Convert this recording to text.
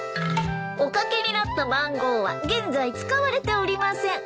おかけになった番号は現在使われておりません。